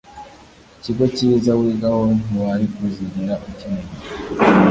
ikigo cyiza wigaho ntiwari kuzigera ukimenya.